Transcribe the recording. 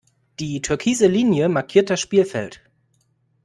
Die türkise Linie markiert das Spielfeld.